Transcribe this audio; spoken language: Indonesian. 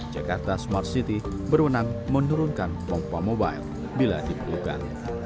jakarta smart city berwenang menurunkan pompa mobile bila diperlukan